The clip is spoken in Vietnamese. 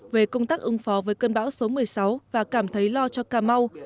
về công tác ứng phó với cơn bão số một mươi sáu và cảm thấy lo cho cà mau